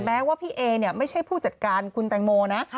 แม้ว่าพี่เอเนี่ยไม่ใช่ผู้จัดการคุณแตงโมนะ